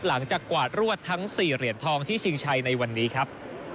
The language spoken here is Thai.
กว่ารวดทั้ง๔เหรียญทองที่ชิงชัยในวันนี้ครับ